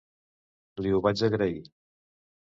Li ho vaig agrair.